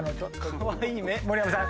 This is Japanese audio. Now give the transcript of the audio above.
盛山さん